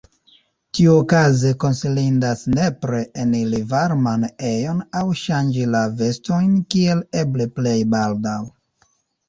Tiuokaze konsilindas nepre eniri varman ejon aŭ ŝanĝi la vestojn kiel eble plej baldaŭ.